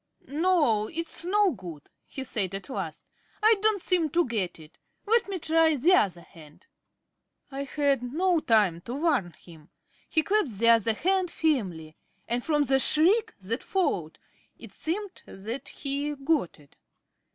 "No, it's no good," he said at last. "I don't seem to get it. Let me try the other hand." I had no time to warn him. He clasped the other hand firmly; and from the shriek that followed it seemed that he got it.